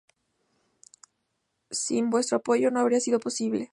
Sin vuestro apoyo no habría sido posible".